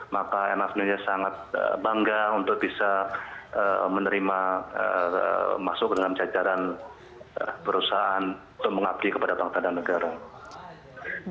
maka nft indonesia sangat bangga untuk bisa menerima masuk dengan jajaran perusahaan untuk mengabdi kepada bangsa dan negara